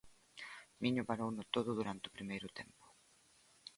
Miño parouno todo durante todo o primeiro tempo.